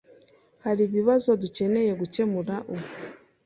Hari ibibazo dukeneye gukemura ubu?